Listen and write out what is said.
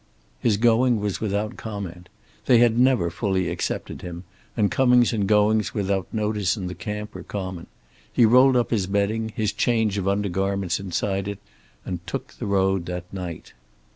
His going was without comment. They had never fully accepted him, and comings and goings without notice in the camp were common. He rolled up his bedding, his change of under garments inside it, and took the road that night.